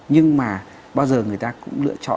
nhưng mà bao giờ người ta cũng lựa chọn